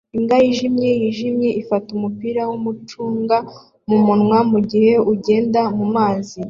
Imbwa yijimye yijimye ifata umupira wumucunga mumunwa mugihe ugenda mumazi